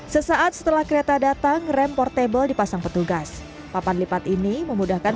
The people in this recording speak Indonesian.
sesaat setelah kereta datang rem portable dipasang petugas papan lipat ini memudahkan